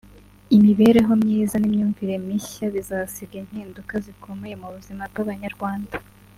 imibereho myiza n’imyumvire mishya bizasiga impinduka zikomeye mu buzima bw’Abanyarwanda